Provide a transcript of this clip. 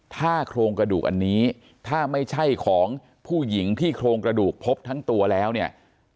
ถ้าโครงกระดูกอันนี้ถ้าไม่ใช่ของผู้หญิงที่โครงกระดูกพบทั้งตัวแล้วเนี่ย